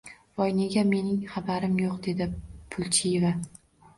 Voy, nega meningxabarim yo`q, dedi Pulchieva